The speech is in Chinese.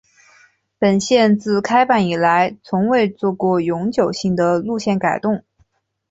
本线自开办以来从未做过永久性的路线改动。